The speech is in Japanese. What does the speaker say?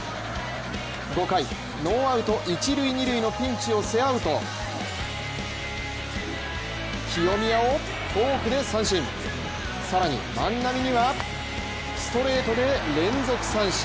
５回、ノーアウト一・二塁のピンチを背負うと清宮をフォークで三振、更に万波にはストレートで連続三振。